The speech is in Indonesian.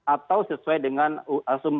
atau sesuai dengan asumensi